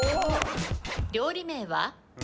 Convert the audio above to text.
料理名は？